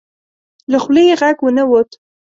له خولې یې غږ ونه وت.